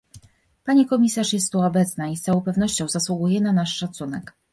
Pani komisarz jest tu obecna i z całą pewnością zasługuje na nasz szacunek